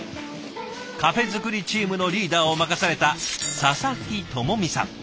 カフェ作りチームのリーダーを任された佐々木知美さん。